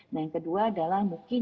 nah yang kedua adalah mungkin